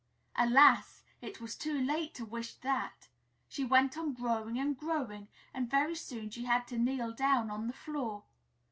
Alas! It was too late to wish that! She went on growing and growing and very soon she had to kneel down on the floor.